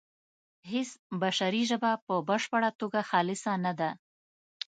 هیڅ بشري ژبه په بشپړه توګه خالصه نه ده